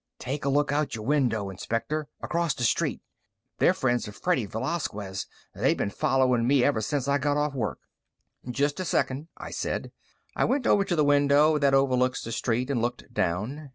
"Take a look out your window, Inspector. Across the street. They're friends of Freddy Velasquez. They been following me ever since I got off work." "Just a second," I said. I went over to the window that overlooks the street and looked down.